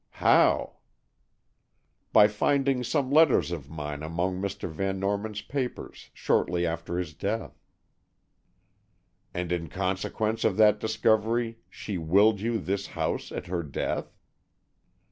"How?" "By finding some letters of mine among Mr. Van Norman's papers, shortly after his death." "And in consequence of that discovery she willed you this house at her death?"